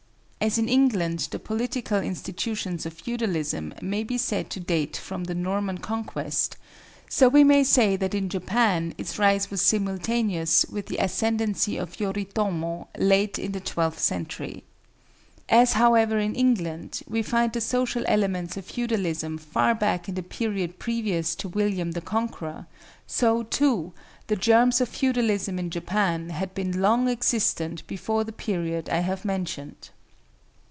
As in England the political institutions of feudalism may be said to date from the Norman Conquest, so we may say that in Japan its rise was simultaneous with the ascendency of Yoritomo, late in the twelfth century. As, however, in England, we find the social elements of feudalism far back in the period previous to William the Conqueror, so, too, the germs of feudalism in Japan had been long existent before the period I have mentioned.